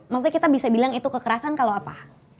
maksudnya kita bisa bilang itu kekerasan kalau apa